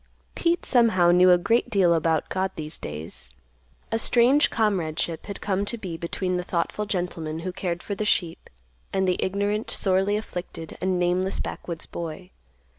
Pete somehow knew a great deal about God these days. A strange comradeship had come to be between the thoughtful gentleman, who cared for the sheep, and the ignorant, sorely afflicted, and nameless backwoods boy.